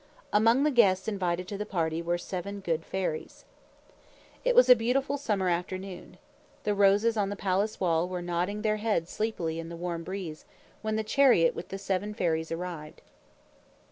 Among the guests invited to the party were seven good fairies. It was a beautiful summer afternoon. The roses on the palace wall were nodding their heads sleepily in the warm breeze, when the chariot with the seven fairies arrived.